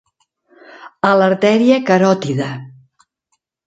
A l'artèria caròtida.